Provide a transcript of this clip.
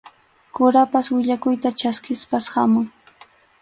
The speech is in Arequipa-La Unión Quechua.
Kurapas willakuyta chaskispas hamun.